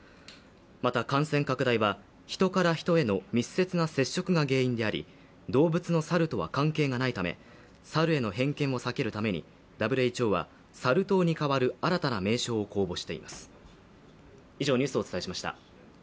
また、感染拡大はヒトからヒトへの密接な接触が原因であり動物の猿とは関係がないため猿への偏見を避けるためにＷＨＯはサル痘に代わる新たな名称を公募しています。